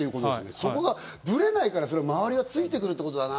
そこがブレないから周りがついてくるってことだな。